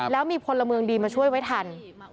แล้วมีพลเมืองดีมาช่วยไว้ทัน